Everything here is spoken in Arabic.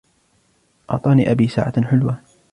أعطاني أبي ساعةً حلوة.